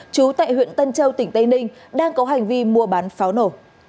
chú tại huyện tân châu tỉnh tây ninh đang có hành vi mua bán pháo nổ